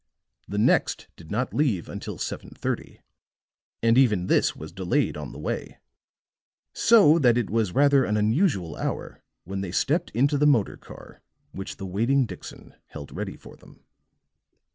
The next did not leave until 7:30; and even this was delayed on the way, so that it was rather an unusual hour when they stepped into the motor car which the waiting Dixon held ready for them.